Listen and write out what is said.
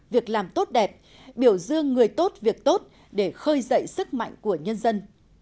việc làm tốt đẹp biểu dương người tốt việc tốt để khơi dậy sức mạnh của nhân dân